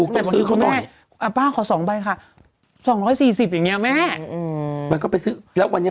แต่ควรคือคุณแม่อ่าป้าขอสองใบค่ะสองร้อยสี่สิบอย่างเงี้ยแม่มันก็ไปซื้อแล้ววันเนี้ย